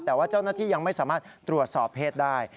แต่ว่าเจ้าหน้าที่ยังไม่สามารถตรวจสอบเพศได้